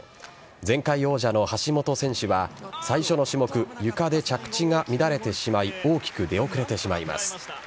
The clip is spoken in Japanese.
前回王者の橋本選手は最初の種目・ゆかで着地が乱れてしまい大きく出遅れてしまいます。